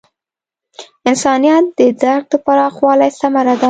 انسانیت د درک د پراخوالي ثمره ده.